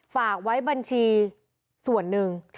ฝากไว้บัญชีส่วนหนึ่ง